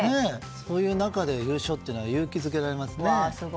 そういう中で優勝って勇気づけられますよね。